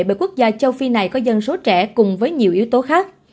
bởi quốc gia châu phi này có dân số trẻ cùng với nhiều yếu tố khác